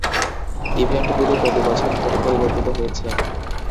ইভেন্টগুলি প্রতি বছর পরিবর্তিত হয়েছে।